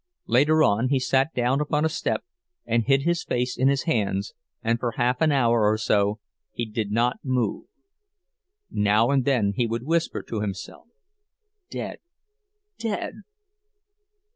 Later on he sat down upon a step and hid his face in his hands and for half an hour or so he did not move. Now and then he would whisper to himself: "Dead! _Dead!